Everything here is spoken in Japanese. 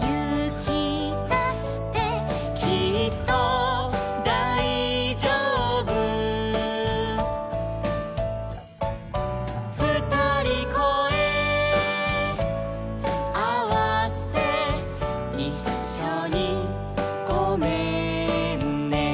「きっとだいじょうぶ」「ふたりこえあわせ」「いっしょにごめんね」